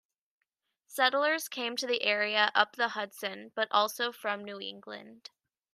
Settlers came to the area up the Hudson, but also from New England.